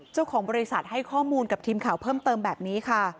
เจ้าของบริษัทให้ข้อมูลกับทีมข่าวเพิ่มเติมแบบนี้ค่ะ